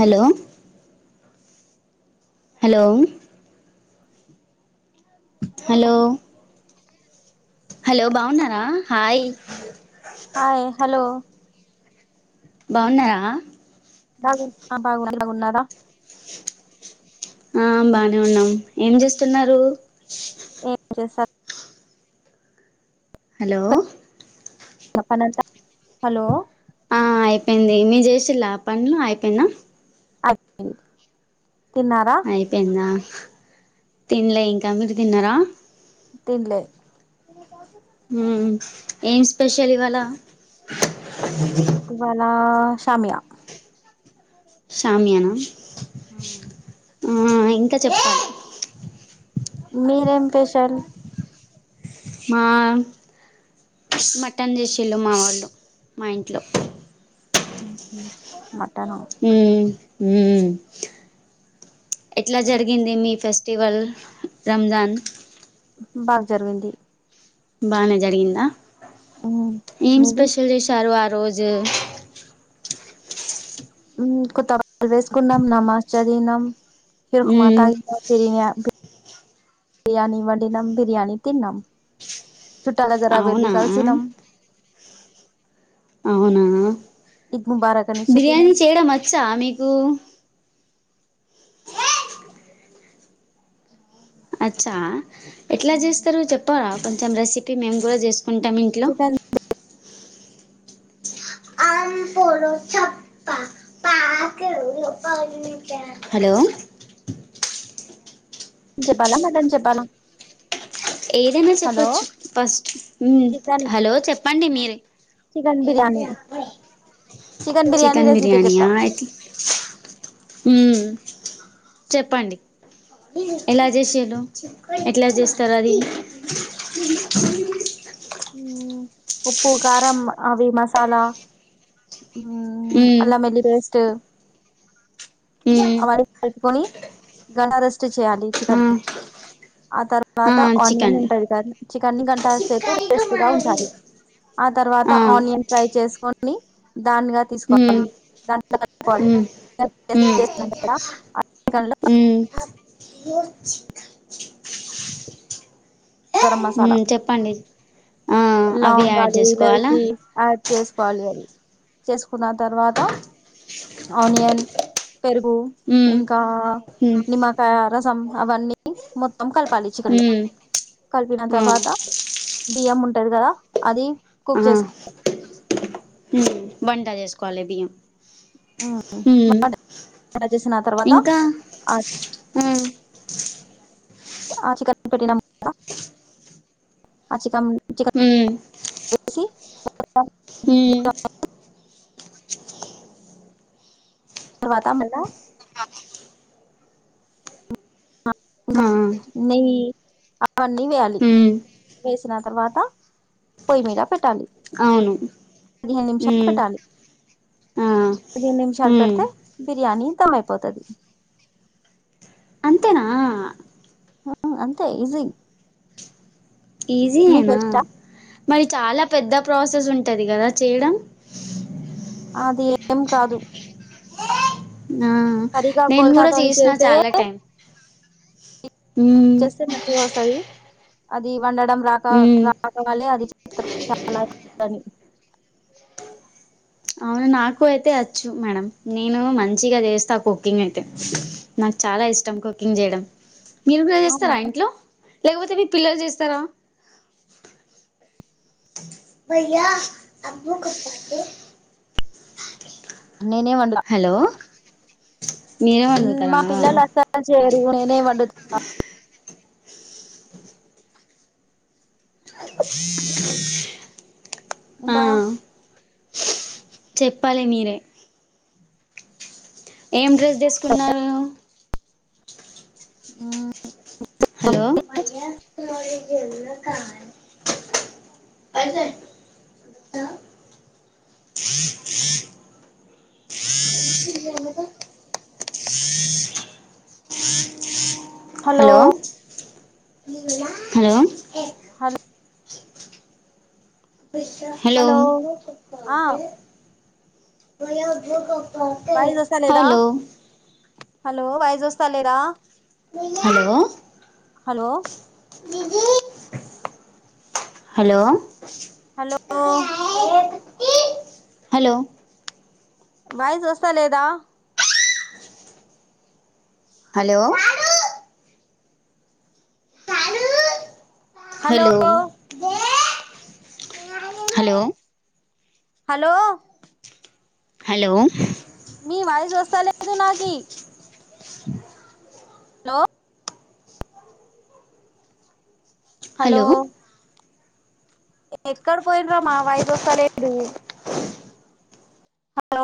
Hello hello hello hello బాగున్నారా hi hi hello బాగున్నారా బాగు బాగున్నా బాగున్నారా ఆ బానే ఉన్నాం ఏం చేస్తున్నారు. ఏం చేస్తారు హలో వినపడట్లే హలో ఆ అయిపోయింది మీ చేసలా పనులు అయిపోయింద, అ అయిపోయిందా తినలే ఇంకా మీరు తిన్నారా, తిన్లే హు ఏం స్పెషల్ ఇవాళ ఇవాళ షామియా షామియానా ఆ ఆ ఇంకా చెప్పాలి మీరేం పేషల్ మా మటన్ చేసిళ్ళు మా వాళ్ళు మా ఇంట్లో మ హ హ ఎట్లా జరిగింది మీ ఫెస్టివల్ రంజాన్ బాగ్ జరిగింది బానే జరిగిందా ఏం మీది స్పెషల్ చేశారు రోజు [unintelligible] ఉమ్ బిర్యానీ వండినం బిర్యానీ తిన్నాం చుట్టాలాదగర వెళ్ళి కలిసినం అవు ఈద్ ముబారక్ అని చెప్పినాం బిర్యానీ చేయడం వచ్చా మీకు అచ్చా ఎట్లా చేస్తారు చెప్పారా కొంచెం రెసిపీ మేము కూడా చేసు కుంటాం ఇంట్లో చికెన్ అల్ పడు చప్ప పా హలో కెన్ చెప్పాలా మటన్ చెప్పాలా ఏదైనా హలో చెప్పచ్చు ఫస్ట్ ఉ చికెన్ హలో చెప్పండి మీరు chicken biryani biryani chicken recipe biryani చెప్తా ఆ ఎట్ల ఉ చెప్పండి ఎలా చేసిర్రు ఎట్లా చేస్తారు అది [inaudible] ఉప్పు కారం అవి మసాలా ఉమ్ అల్లా మెల్లి పేస్ట్ ఉమ్ ఆయిల్ ని గడారెస్ట్ చేయాలి ఆ చికెన్ ఆ తర్వా ఆ తర్వాత ఆనియన్ చికెన్ ఉంటది కదా చికెన్ గంట సేపు రెస్టగా ఉంచాలి ఆ తర్వాత ఆ ఆనియన్ ఫ్రై చేసుకొని ఉమ్ ఉమ్ [unintelligible] ఉమ్ [inaudible] వచ్చ గరం ఉ మసాలా చెప్పండి ఆ అవి యాడ్ లవంగాలు చేసుకోవాలా ఇలాచి యాడ్ చేసుకోవాలి అది చేసుకున్న తర్వాత ఆనియన్ పెరుగు ఉమ్ ఇంకా ఉమ్ నిమ్మకాయ రసం అవన్నీ మొత్తం మొత్తం కలపాలి చికెన్ లో ఉమ్ కలిపిన తర్వాత ఆ బియ్యం ఉంటది కదా అది ఆ కుక్ చేసు ఉమ్ వంట చేసుకోవాలి బియ్యం ఉమ్ వంట చేసిన తర్వాత ఇంకా ఉ [inaudible] ఉ ఎసి హ తర్వాత మల్లా ఆ ఉమ్ నెయ్యి అవన్నీ వేయాలి వేసిన తర్వాత పోయి మీద పెట్టాలి అవును పదిహేను నిమిషాలు ఉమ్ పెట్టాలి ఆ పదిహేను నిమిషాలు ఉమ్ పెడితే బిర్యానీ దమ్ అయిపోతది అం ఆ అంతే ఈజి ఈజీ ఏనా మరి చాలా పెద్ద ప్రాసెస్ ఉంటది గదా చేయడం అది ఏం కాదు ఆ సరిగా నేను గుడా కొలతతోని చేసినా చాలా చేస్తే టైం ఉమ్ చేస్తే మంచిగా వస్తది అది వండడం రాక ఉమ్ రాకవాల్లే అది [inaudible] చాలా ఇని అవును నాకు అయితే చ్చు మేడం నేను మంచిగా జేస్తా కుకింగ్ అయితే నాకు చాలా ఇష్టం కుకింగ్ జేయడం మీరు ట్రై అవునా చేస్తారా ఇంట్లో లేకపోతే మీరు పిల్లలు జేస్తారా భై్యా అబ్బూ కప్పుతే నేనే వండ్ మీరే ఉ వండుతారా మా పిల్లలు అస్సల్ చేయరు నేనే వండు ఆ ఇంకా చెప్పాలి మీరే ఏం డ్రస్ దీసుకున్నారు ఆ హలో అే హలో హలో హల్ హలో ఆ వాయిస్ వస్తా లేదా హలో హలో వయిజొస్తా లేరా హలో హలో హలో హలో వాయిసొస్త లేదా hello hello hello hello hello మీ వాయిస్ జొస్త లేదు నాకీ [inaudible] హలో ఎక్కడ పోయిండ్రొ మా వాయిసొస్తలేదు హలో